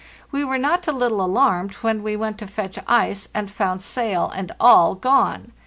We were not a little alarmed when we went to fetch ice and found sail and all gone.